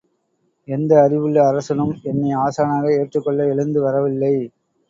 எந்த அறிவுள்ள அரசனும், என்னை ஆசானாக ஏற்றுக்கொள்ள எழுந்து வரவில்லை!